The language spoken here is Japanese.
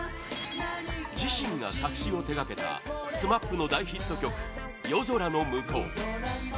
自身が作詞を手がけたＳＭＡＰの大ヒット曲「夜空ノムコウ」